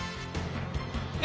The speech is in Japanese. え！